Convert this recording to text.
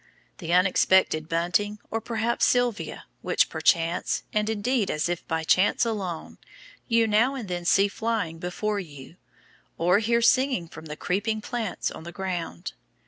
The unexpected Bunting, or perhaps Sylvia, which, perchance, and indeed as if by chance alone, you now and then see flying before you, or hear singing from the creeping plants on the ground.